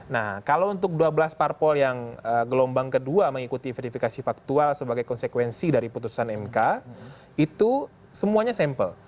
nah kalau untuk dua belas parpol yang gelombang kedua mengikuti verifikasi faktual sebagai konsekuensi dari putusan mk itu semuanya sampel